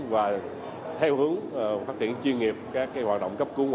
và theo hướng phát triển chuyên nghiệp các hoạt động cấp cung